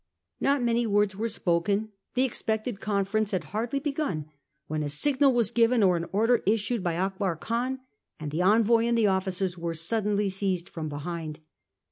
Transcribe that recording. Not many words were spoken; the expected conference had hardly begun when a signal was given or an order issued by Akbar Khan, and the envoy and the officers were suddenly seized from behind.